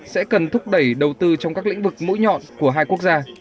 sẽ cần thúc đẩy đầu tư trong các lĩnh vực mũi nhọn của hai quốc gia